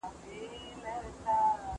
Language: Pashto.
اسمان سړه واوره راووروله.